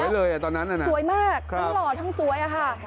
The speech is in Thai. อ๋อสวยเลยอ่ะตอนนั้นน่ะสวยมากครับทั้งหล่อทั้งสวยอ่ะฮะ